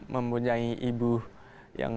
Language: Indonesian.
mempunyai ibu yang